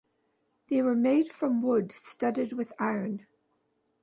They were made from wood studded with iron.